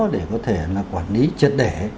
để có thể là quản lý chất đẻ